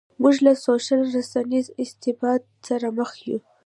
موږ له سوشل رسنیز استبداد سره مخ یو.